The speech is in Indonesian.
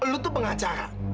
lo tuh pengacara